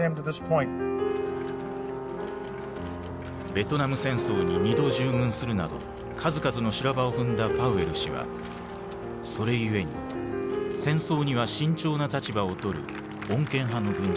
ベトナム戦争に２度従軍するなど数々の修羅場を踏んだパウエル氏はそれゆえに戦争には慎重な立場をとる穏健派の軍人だった。